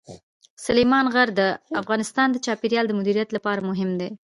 سلیمان غر د افغانستان د چاپیریال د مدیریت لپاره مهم دي.